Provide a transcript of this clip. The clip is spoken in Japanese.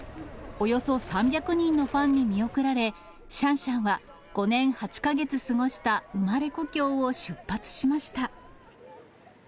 およそ３００人のファンに見送られ、シャンシャンは５年８か月過ごした生まれ故郷を出発しました。